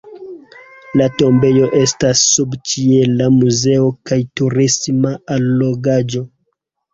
La tombejo estas subĉiela muzeo kaj turisma allogaĵo.